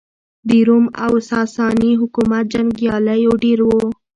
د روم او ساسا ني حکومت جنګیالېیو ډېر وو.